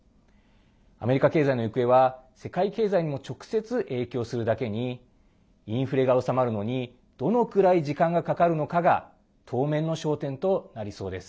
アメリカ経済の行方は世界経済にも直接影響するだけにインフレが収まるのにどのくらい時間がかかるのかが当面の焦点となりそうです。